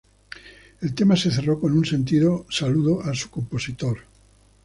El tema se cerró con un sentido saludo a su compositor.